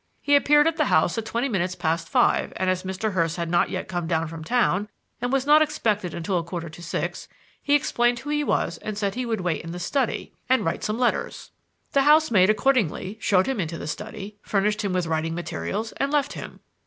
He appeared at the house at twenty minutes past five, and as Mr. Hurst had not yet come down from town and was not expected until a quarter to six, he explained who he was and said he would wait in the study and write some letters. The housemaid accordingly showed him into the study, furnished him with writing materials, and left him.